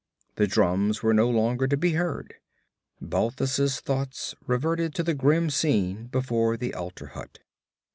The drums were no longer to be heard. Balthus' thoughts reverted to the grim scene before the altar hut.